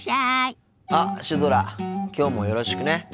あっシュドラきょうもよろしくね。